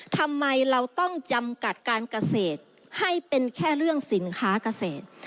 ทำไมเราต้องจำกัดการเกษตรให้เป็นแค่เรื่องสินค้าเกษตร